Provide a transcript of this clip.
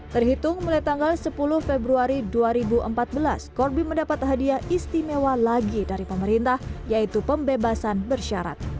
terhitung mulai tanggal sepuluh februari dua ribu empat belas corby mendapat hadiah istimewa lagi dari pemerintah yaitu pembebasan bersyarat